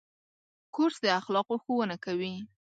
کورس د اخلاقو ښوونه کوي.